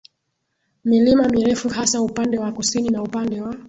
milima mirefu hasa upande wa kusini na upande wa